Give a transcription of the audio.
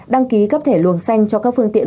đăng ký cấp thẻ luồng xanh cho các phương tiện